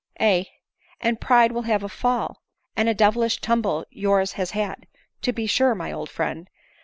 " Aye, and pride will have a fall ; and a devilish tumble yours has had, to be sure, my old friend.